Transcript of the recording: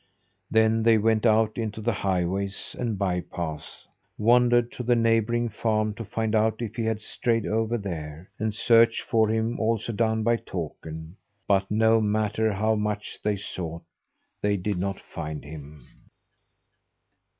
Then they went out into the highways and by paths; wandered to the neighbouring farm to find out if he had strayed over there, and searched for him also down by Takern. But no matter how much they sought they did not find him.